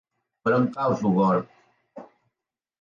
Per on cau Sogorb?